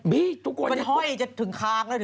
มันห้อยจะถึงค้างแล้วถึงน้ำฉีด